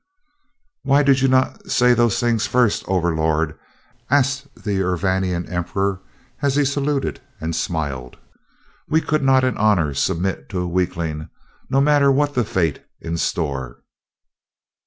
"Why did not you say those things first, Overlord?" asked the Urvanian emperor, as he saluted and smiled. "We could not in honor submit to a weakling, no matter what the fate in store.